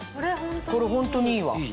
これホントにいい。